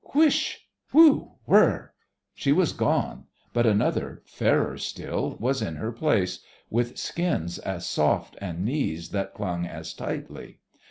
Whisht! Whew! Whir! She was gone, but another, fairer still, was in her place, with skins as soft and knees that clung as tightly.